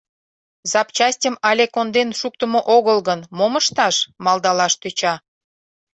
— Запчастьым але конден шуктымо огыл гын, мом ышташ? — малдалаш тӧча.